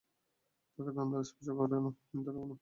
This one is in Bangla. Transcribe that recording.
তাঁকে তন্দ্রা স্পর্শ করে না, নিদ্রাও না।